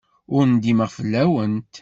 Ur ndimeɣ fell-awent.